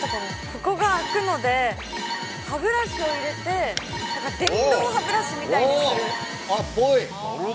ここが開くので、歯ブラシを入れて電動歯ブラシみたいにする。